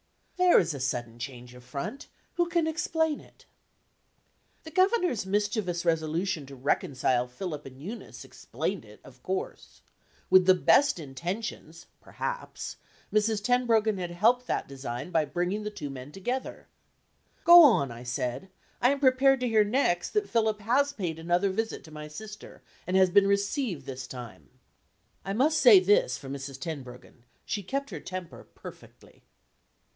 There is a sudden change of front! Who can explain it?" The Governor's mischievous resolution to reconcile Philip and Eunice explained it, of course. With the best intentions (perhaps) Mrs. Tenbruggen had helped that design by bringing the two men together. "Go on," I said; "I am prepared to hear next that Philip has paid another visit to my sister, and has been received this time." I must say this for Mrs. Tenbruggen: she kept her temper perfectly.